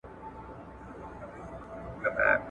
تر ننه پوري «ښځه» خپل لاسونه